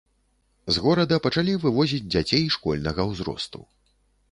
З горада пачалі вывозіць дзяцей школьнага ўзросту.